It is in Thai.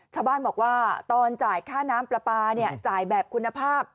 ชาวบ้านบอกว่าตอนจ่ายการค่าน้ำประปาแบบคุณภาพ